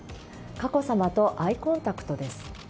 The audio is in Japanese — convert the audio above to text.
佳子さまとアイコンタクトです。